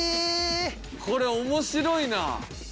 これ面白いな。